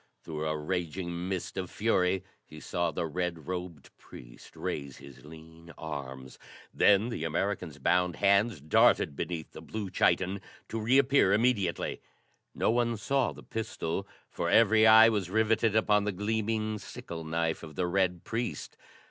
Through a raging mist of fury he saw the red robed priest raise his lean arms; then the American's bound hands darted beneath the blue chiton to reappear immediately. No one saw the pistol, for every eye was rivetted upon the gleaming, sickle knife of the red priest.